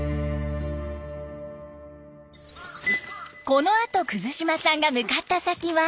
このあと島さんが向かった先は。